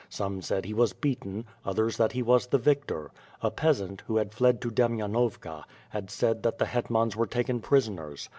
Some said he was beaten, others that he was the victor. A peasant, who had fled to Demainovka, had said that the het mans were taken prisoners.